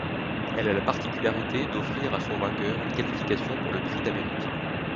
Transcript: Elle a la particularité d'offrir à son vainqueur une qualification pour le Prix d'Amérique.